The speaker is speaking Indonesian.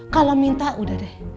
kalau minta udah deh